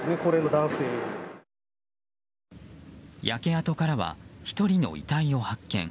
焼け跡からは１人の遺体を発見。